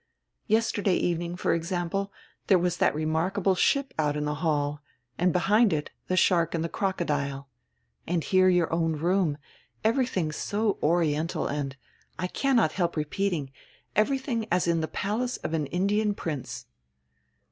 Yesterday evening, for example, there was that remarkable ship out in the hall, and behind it tire shark and dre crocodile. And here your own roonr. Everydiing so oriental and, I cannot help repeating, everydring as in the palace of an Indian prince."